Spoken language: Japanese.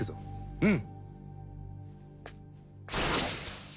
うん。